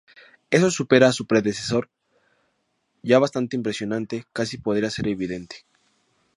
Eso supera a su predecesor ya bastante impresionante casi podría ser evidente.